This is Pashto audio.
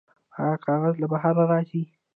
آیا کاغذ له بهر راځي؟